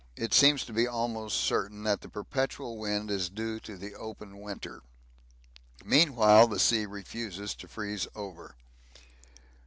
It seems to be almost certain that the perpetual wind is due to the open winter. Meanwhile the sea refuses to freeze over.